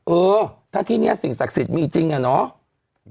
เออถ้าที่นี้สิ่งศักดิ์สิทธิ์มีจริงอะเนาะ